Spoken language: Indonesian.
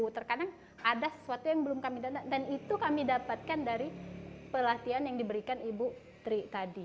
terkadang ada sesuatu yang belum kami dan itu kami dapatkan dari pelatihan yang diberikan ibu tri tadi